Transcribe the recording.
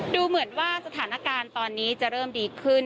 ดูเหมือนว่าสถานการณ์ตอนนี้จะเริ่มดีขึ้น